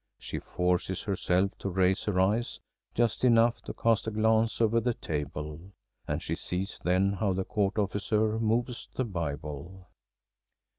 She forces herself to raise her eyes just enough to cast a glance over the table, and she sees then how the court officer moves the Bible.